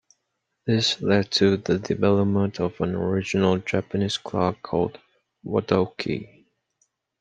These led to the development of an original Japanese clock, called Wadokei.